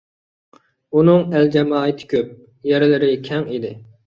ئۇنىڭ ئەل-جامائىتى كۆپ، يەرلىرى كەڭ ئىدى.